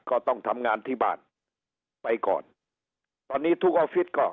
ก็ต้องทำงานที่บ้านไปก่อนตอนนี้ทุกออฟฟิศก็